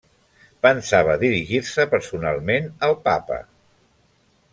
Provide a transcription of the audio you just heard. pensava dirigir-se personalment al papa.